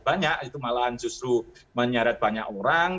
banyak itu malahan justru menyeret banyak orang